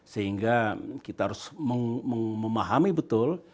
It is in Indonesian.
sehingga kita harus memahami betul